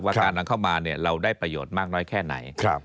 การนำเข้ามาเราได้ประโยชน์มากน้อยแค่ไหน